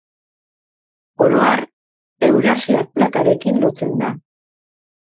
Oro har, Eurasiar plakarekin lotzen da.